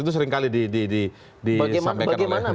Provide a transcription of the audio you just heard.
itu seringkali disampaikan oleh